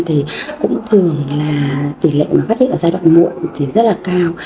thì cũng thường là tỷ lệ mà phát hiện ở giai đoạn muộn thì rất là cao